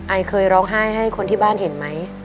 ไอเคยร้องไห้ให้คนที่บ้านเห็นไหม